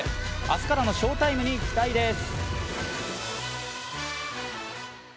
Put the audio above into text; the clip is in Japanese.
明日からの翔タイムに期待です。